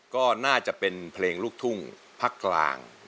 ก็น่าจะเป็นเพลงลูกทุ่งภาคกลาง